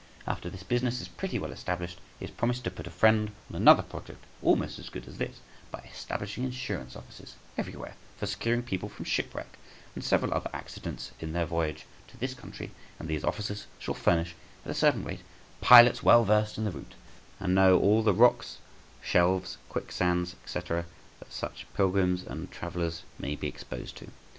After this business is pretty well established, he has promised to put a friend on another project almost as good as this, by establishing insurance offices everywhere for securing people from shipwreck and several other accidents in their voyage to this country; and these officers shall furnish, at a certain rate, pilots well versed in the route, and that know all the rocks, shelves, quicksands, &c., that such pilgrims and travellers may be exposed to.